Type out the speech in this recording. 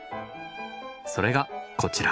それがこちら。